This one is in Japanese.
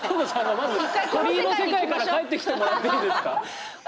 まず鳥居の世界から帰ってきてもらっていいですか？